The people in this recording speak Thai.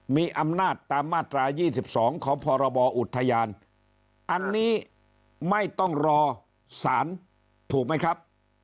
มีอำนาจตามมาตรา๒๒ของพรบอุทยานอันนี้ไม่ต้องรอสารถูกไหมครับ